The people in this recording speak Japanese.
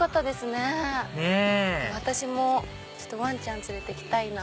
ねぇ私もワンちゃん連れて来たいな。